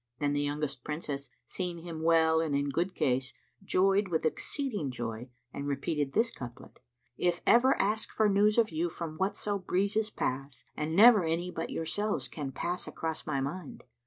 And the youngest Princess, seeing him well and in good case, joyed with exceeding joy and repeated this couplet, "I ever ask for news of you from whatso breezes pass * And never any but yourselves can pass across my mind."